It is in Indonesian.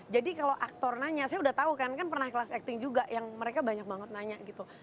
jadi kalau aktor nanya saya udah tahu kan kan pernah kelas acting juga yang mereka banyak banget nanya gitu